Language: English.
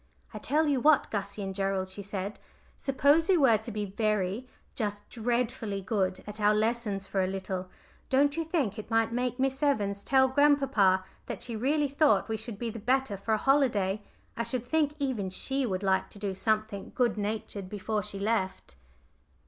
"I tell you what, Gussie and Gerald," she said: "suppose we were to be very, just dreadfully good at our lessons for a little, don't you think it might make Miss Evans tell grandpapa that she really thought we should be the better for a holiday. I should think even she would like to do something good natured before she left."